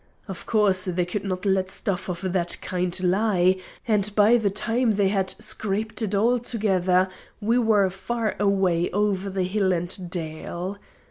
Of course, they could not let stuff of that kind lie, and by the time they had scraped it all together we were far away over hill and dale.